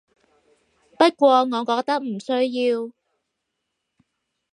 不過我覺得唔需要